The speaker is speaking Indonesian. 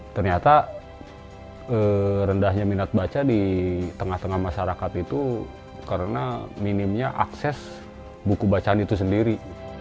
ternyata rendahnya minat baca di tengah tengah masyarakat itu karena minimnya akses buku bacaan itu sendiri